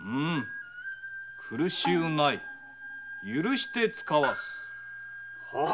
苦しゅうない許してつかわす。